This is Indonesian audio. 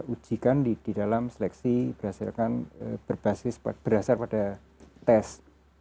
ujikan di dalam seleksi berhasil akan berbasis berdasar pada tes